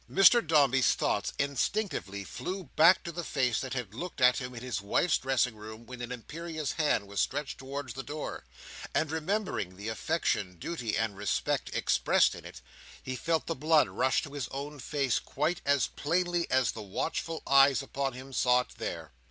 Mr Dombey's thoughts instinctively flew back to the face that had looked at him in his wife's dressing room when an imperious hand was stretched towards the door; and remembering the affection, duty, and respect, expressed in it, he felt the blood rush to his own face quite as plainly as the watchful eyes upon him saw it there.